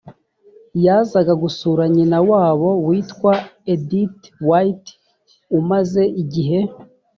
yazaga gusura nyina wabo witwa edith white umaze igihe